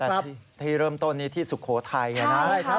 แต่ที่เริ่มต้นนี้ที่สุโขทัยนะครับ